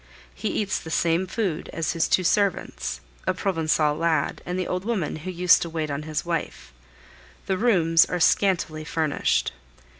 He eats the same food as his two servants, a Provencal lad and the old woman who used to wait on his wife. The rooms are scantily furnished.